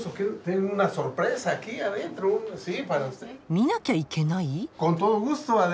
見なきゃいけない？